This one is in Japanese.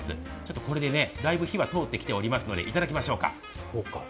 これでだいぶ火は通ってきておりますので、いただきましょうか。